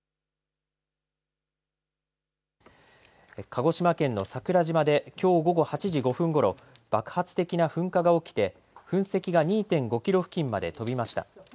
鹿児島県の桜島できょう午後８時５分ごろ爆発的な噴火が起きて噴石が２．５キロ付近まで飛びました。